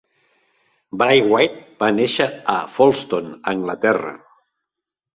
Braithwaite va néixer a Folston, Anglaterra.